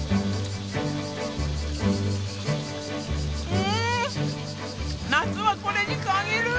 うん！夏はこれに限る！